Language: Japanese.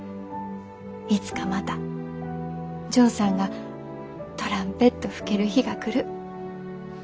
いつかまたジョーさんがトランペット吹ける日が来る。